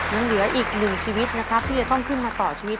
ยังเหลืออีกหนึ่งชีวิตนะครับที่จะต้องขึ้นมาต่อชีวิต